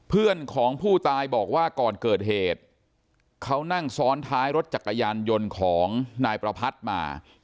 เพื่อนของผู้ตายบอกว่าก่อนเกิดเหตุเขานั่งซ้อนท้ายรถจักรยานยนต์ของนายประพัทธ์มา